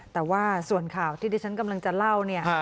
แต่ว่าส่วนข่าวที่ดิฉันกำลังจะเล่าเนี่ย